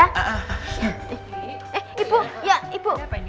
eh ibu ya ibu